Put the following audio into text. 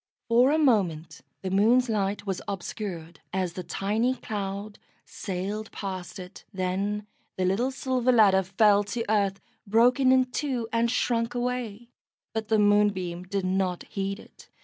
For a moment the moon's light was obscured, as the tiny cloud sailed past it; then the little silver ladder fell to earth, broken in two and shrunk away, but the Moonbeam did not heed it.